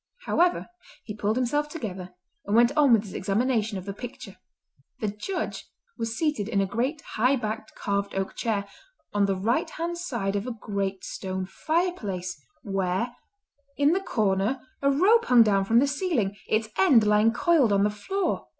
However, he pulled himself together, and went on with his examination of the picture. The Judge was seated in a great high backed carved oak chair, on the right hand side of a great stone fireplace where, in the corner, a rope hung down from the ceiling, its end lying coiled on the floor.